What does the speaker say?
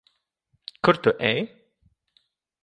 Kur tu ej?